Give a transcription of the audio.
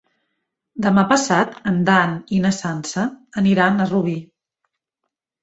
Demà passat en Dan i na Sança aniran a Rubí.